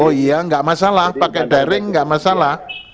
oh iya nggak masalah pakai daring nggak masalah